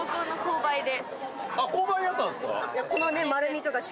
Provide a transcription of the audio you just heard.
購買であったんですか？